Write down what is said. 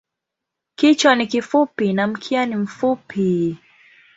Kichwa ni kifupi na mkia ni mfupi.